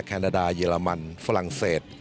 แคนาดาเยอรมันฝรั่งเศส